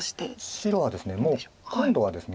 白はもう今度はですね